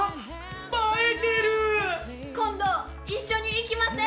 今度一緒に行きません？